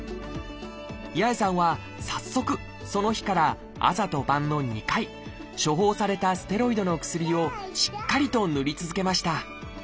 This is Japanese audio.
八重さんは早速その日から朝と晩の２回処方されたステロイドの薬をしっかりと塗り続けました。